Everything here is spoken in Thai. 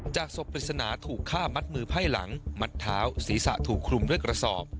ศพปริศนาถูกฆ่ามัดมือไพ่หลังมัดเท้าศีรษะถูกคลุมด้วยกระสอบ